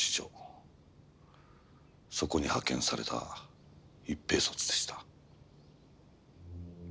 そこに派遣された一兵卒でした。